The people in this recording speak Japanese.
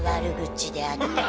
であったり。